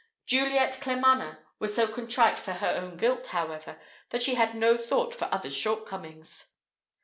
Juliet Claremanagh was so contrite for her own guilt, however, that she had no thought for others' shortcomings.